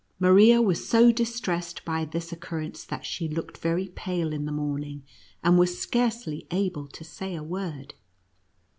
Maria was so distressed by this occurrence that she looked very pale in the morning, and was scarcely able to say a word.